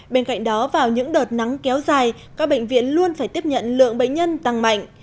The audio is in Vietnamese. bên cạnh đó vào những đợt nắng kéo dài các bệnh viện luôn phải tiếp nhận lượng bệnh nhân tăng mạnh